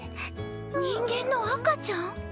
人間の赤ちゃん？